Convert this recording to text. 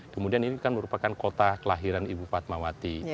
kemudian ini kan merupakan kota kelahiran ibu fatmawati